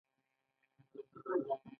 د سرپل په کوهستان کې څه شی شته؟